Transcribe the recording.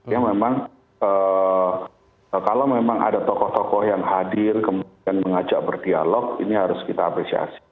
ya memang kalau memang ada tokoh tokoh yang hadir kemudian mengajak berdialog ini harus kita apresiasi